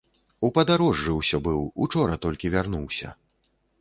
У падарожжы ўсё быў, учора толькі вярнуўся.